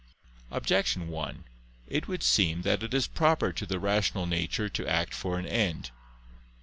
Objection 1: It would seem that it is proper to the rational nature to act for an end.